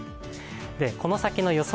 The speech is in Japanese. この先の予想